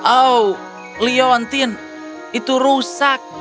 oh liontin itu rusak